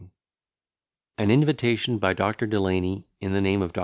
] AN INVITATION, BY DR. DELANY, IN THE NAME OF DR.